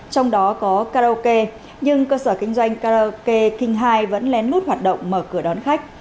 trong đó có karaoke nhưng cơ sở kinh doanh karaoke king hai vẫn lén lút hoạt động mở cửa đón khách